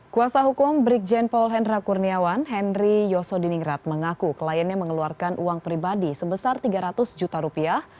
kuasa hukum brigjen paul hendra kurniawan henry yosodiningrat mengaku kliennya mengeluarkan uang pribadi sebesar tiga ratus juta rupiah